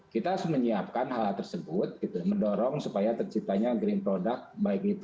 kita harus menyiapkan hal tersebut mendorong supaya terciptanya green product baik di sektor jasa maupun di industri